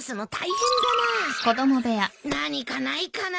何かないかな。